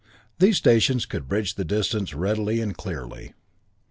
These stations could bridge the distance readily and clearly.